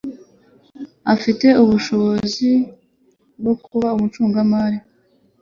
Afite ubushobozi bwo kuba umucungamari.